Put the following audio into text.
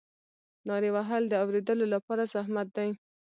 نارې وهل د اورېدلو لپاره زحمت دی.